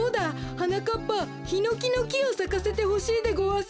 はなかっぱヒノキのきをさかせてほしいでごわす。